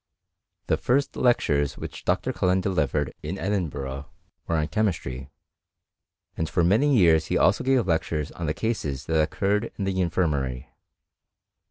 The first lectures which Dr. CuUen delivered in Edinburgh were on chemistry ; and for many years he also gave lectures on the cases that occurred in the infirmary.